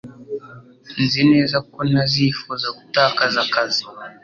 Nzi neza ko ntazifuza gutakaza akazi